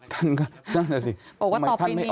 ท่านก็นั่นแหละสิ